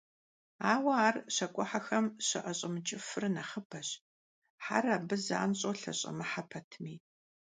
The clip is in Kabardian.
Ауэ ар щакIуэхьэхэм щаIэщIэмыкIыфыр нэхъыбэщ, хьэр абы занщIэу лъэщIэмыхьэ пэтми.